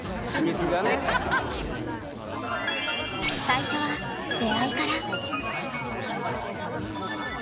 最初は出会いから。